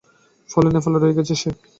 ফলে নেপালে রয়ে গেছে সে।